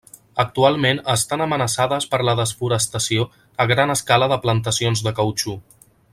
Actualment estan amenaçades per la desforestació a gran escala de plantacions de cautxú.